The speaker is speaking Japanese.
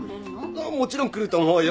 もちろん来ると思うよ。